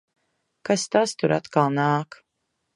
Kas tas tur atkal nāk?